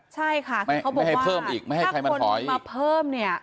ใช่ค่ะเขาบอกให้เพิ่มอีกไม่ให้ใครมาถอยมาเพิ่มเนี่ย